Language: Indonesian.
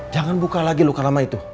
jangan buka lagi luka lama itu